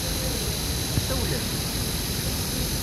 Tsawlem-d?